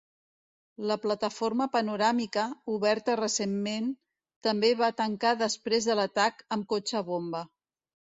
La plataforma panoràmica, oberta recentment, també va tancar després de l'atac amb cotxe bomba.